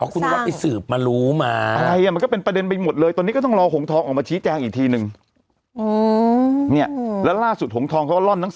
คุณนวัดไปสืบมารู้มาอะไรมันก็เป็นประเด็นไปหมดเลยตอนนี้ก็ต้องรอหงทองออกมาชี้แจงอีกทีนึง